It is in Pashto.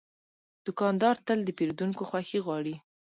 دوکاندار تل د پیرودونکو خوښي غواړي.